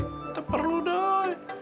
kita perlu doi